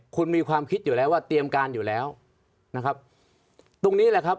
คุณมีความคิดอยู่แล้วว่าเตรียมการอยู่แล้วนะครับตรงนี้แหละครับ